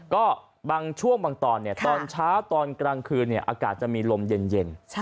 ก็บางช่วงบางตอนตอนเช้าตอนกลางคืนอากาศจะมีลมเย็น